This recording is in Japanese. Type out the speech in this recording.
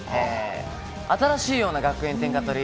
新しいような学園天下獲り